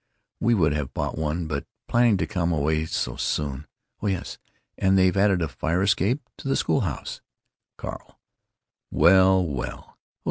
We would have bought one, but planning to come away so soon——Oh yes, and they've added a fire escape to the school house." Carl: "Well, well!...